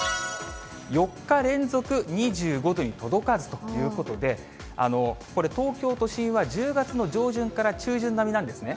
４日連続２５度に届かずということで、これ、東京都心は１０月の上旬から中旬並みなんですね。